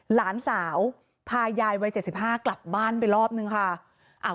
หลานสาวพายายวัย๗๕กลับบ้านไปรอบนึงค่ะ